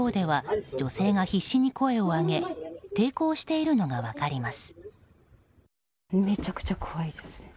ドアの向こうでは女性が必死に声を上げ抵抗しているのが分かります。